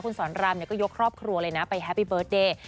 คุณสอนรามก็ยกครอบครัวเลยนะไปแฮปปี้เบิร์ตเดย์